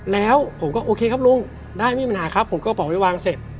แล้วผมก็โอเคครับลุงได้ไม่มีปัญหาครับผมก็กระเป๋าไปวางเสร็จ